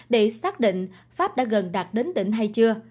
để xác định pháp đã gần đạt đến định hay chưa